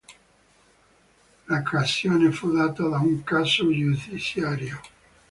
L'occasione fu data da un caso giudiziario.